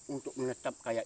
untuk menetap kayak ini